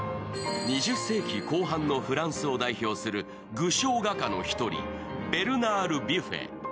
２０世紀後半のフランスを代表する具象画家の一人、ベルナール・ビュフェ。